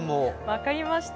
分かりました。